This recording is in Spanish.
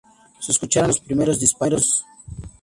Se escucharon los primeros disparos.